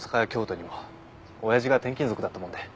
親父が転勤族だったもんで。